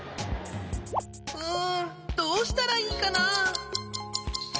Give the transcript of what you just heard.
うんどうしたらいいかな？